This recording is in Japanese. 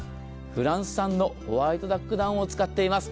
フランス産のホワイトダックダウンを使っています。